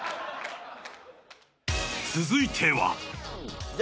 続いては。